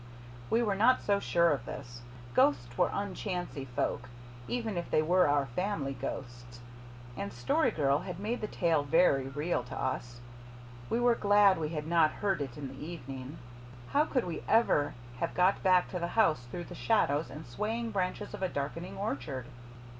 We were not so sure of this. Ghosts were unchancy folk, even if they were our family ghosts. The Story Girl had made the tale very real to us. We were glad we had not heard it in the evening. How could we ever have got back to the house through the shadows and swaying branches of a darkening orchard?